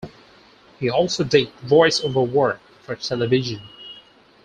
He also did voice-over work for television.